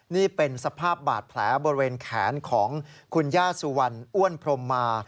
นี่เป็นสภาพบาดแผลบริเวณแขนของคุณย่าสุวรรณอ้วนพรมมา